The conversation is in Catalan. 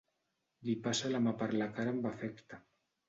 Li passa la mà per la cara amb afecte.